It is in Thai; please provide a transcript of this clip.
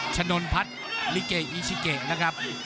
ชนนพัฒน์ลิเกอีชิเกะนะครับ